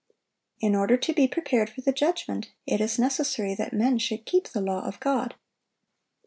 In order to be prepared for the judgment, it is necessary that men should keep the law of God.